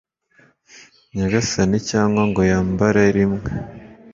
nyagasani cyangwa ngo yambare rimwe